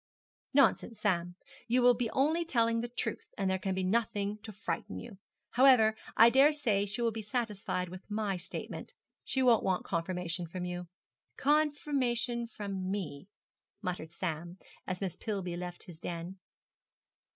'Nonsense, Sam, you will be only telling the truth, and there can be nothing to frighten you. However, I dare say she will be satisfied with my statement. She won't want confirmation from you.' 'Confirmation from me,' muttered Sam, as Miss Pillby left his den.